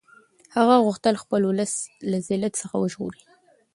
هغه غوښتل خپل اولس له ذلت څخه وژغوري.